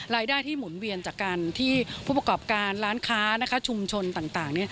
รายได้ที่หมุนเวียนจากการที่ผู้ประกอบการร้านค้าชุมชนต่าง